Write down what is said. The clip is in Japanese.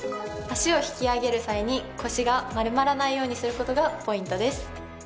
足を引き上げる際に腰が丸まらないようにすることがポイントです。